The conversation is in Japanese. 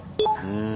うん。